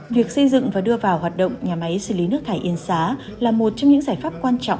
việc xây dựng và đưa vào hoạt động nhà máy xử lý nước thải yên xá là một trong những giải pháp quan trọng